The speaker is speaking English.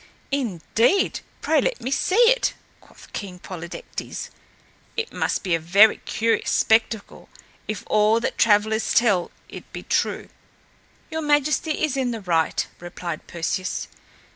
"Indeed! Pray, let me see it," quoth King Polydectes. "It must be a very curious spectacle if all that travelers tell it be true!" "Your Majesty is in the right," replied Perseus.